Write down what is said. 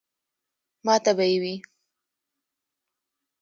ماته به ئې وې ـ